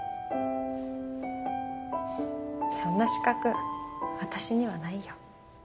そんな資格私にはないよ。